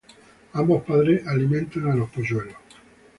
Ambos padres alimentan a los polluelos.